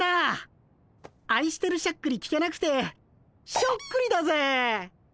あいしてるしゃっくり聞けなくてしょっくりだぜ。